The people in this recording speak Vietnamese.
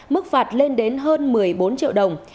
mức phạt lên đến hơn một mươi bốn triệu đồng